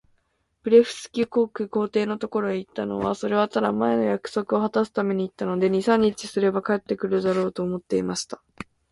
ブレフスキュ国皇帝のところへ行ったのは、それはただ、前の約束をはたすために行ったので、二三日すれば帰って来るだろう、と思っていました。